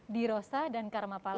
dirosah dan karmapala